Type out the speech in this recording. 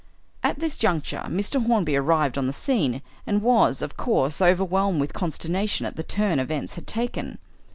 "At this juncture Mr. Hornby arrived on the scene and was, of course, overwhelmed with consternation at the turn events had taken.